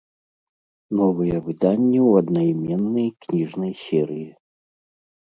Новыя выданні ў аднайменнай кніжнай серыі.